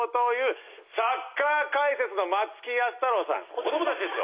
子どもたちですよ。